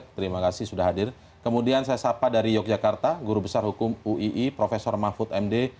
terima kasih sudah hadir kemudian saya sapa dari yogyakarta guru besar hukum uii prof mahfud md